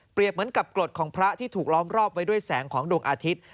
เหมือนกับกรดของพระที่ถูกล้อมรอบไว้ด้วยแสงของดวงอาทิตย์